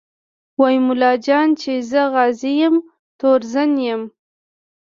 وايي ملا جان چې زه غازي یم تورزن یم